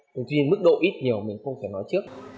tuy nhiên mức độ ít nhiều mình không thể nói trước